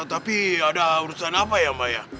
tapi ada urusan apa ya mbak ya